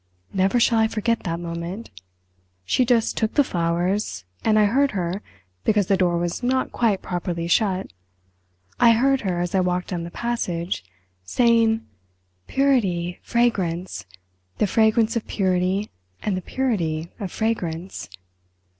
Never shall I forget that moment. She just took the flowers, and I heard her—because the door was not quite properly shut—I heard her, as I walked down the passage, saying 'Purity, fragrance, the fragrance of purity and the purity of fragrance!